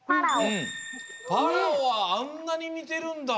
パラオはあんなににてるんだ。